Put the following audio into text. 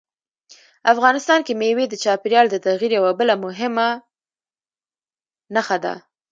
افغانستان کې مېوې د چاپېریال د تغیر یوه بله ډېره مهمه نښه ده.